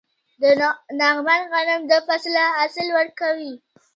د لغمان غنم دوه فصله حاصل ورکوي.